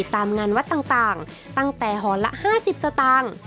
ตามงานวัดต่างตั้งแต่หอละ๕๐สตางค์